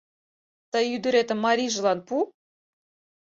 Тый ӱдыретым марийжылан пу.